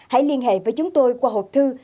hãy liên hệ với chúng tôi qua hộp thư